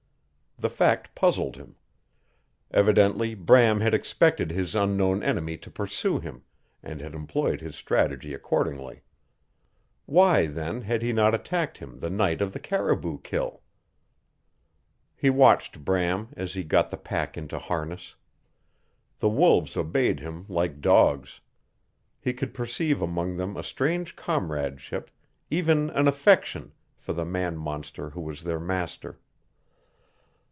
The fact puzzled him. Evidently Bram had expected his unknown enemy to pursue him, and had employed his strategy accordingly. Why, then, had he not attacked him the night of the caribou kill? He watched Bram as he got the pack into harness. The wolves obeyed him like dogs. He could perceive among them a strange comradeship, even an affection, for the man monster who was their master.